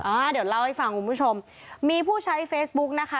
อ่าเดี๋ยวเล่าให้ฟังคุณผู้ชมมีผู้ใช้เฟซบุ๊กนะคะ